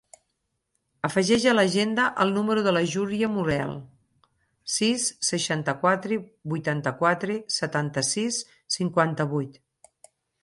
Afegeix a l'agenda el número de la Júlia Morel: sis, seixanta-quatre, vuitanta-quatre, setanta-sis, cinquanta-vuit.